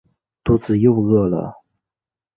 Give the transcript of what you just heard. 肚子又饿了